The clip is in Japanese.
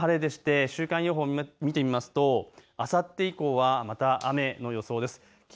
ただこれ、貴重な晴れでして週間予報を見ますとあさって以降はまた雨の予想です。